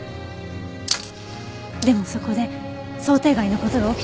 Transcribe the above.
でもそこで想定外の事が起きたんです。